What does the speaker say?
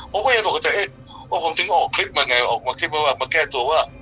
ผมก็ยังบอกกันใจว่าผมออกคลิปมาให้แค่ตัวว่า